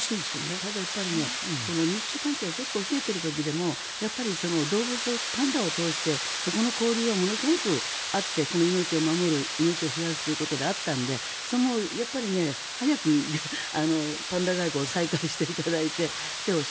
ただ、日中関係が結構、冷えている時でもやっぱり動物を、パンダを通してそこの交流がものすごくあって、命を守る命を増やすということであったので早くパンダ外交再開していただいて来てほしい。